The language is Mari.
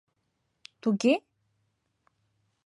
— Туге?